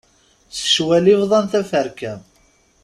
S ccwal i bḍan taferka.